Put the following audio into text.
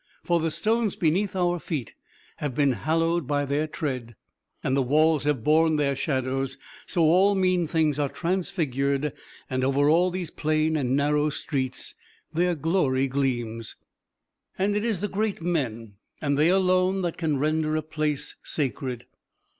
For the stones beneath our feet have been hallowed by their tread, and the walls have borne their shadows; so all mean things are transfigured and over all these plain and narrow streets their glory gleams. And it is the great men and they alone that can render a place sacred.